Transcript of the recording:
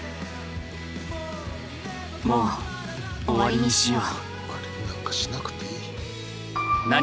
もう終わりにしよう。